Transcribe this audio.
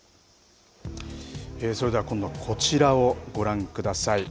それでは今度はこちらをご覧ください。